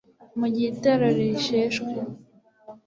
mu igihe itorero risheshwe